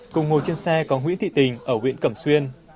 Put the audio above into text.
cùng ngồi trên xe có nguyễn thị tình ở huyện cẩm xuyên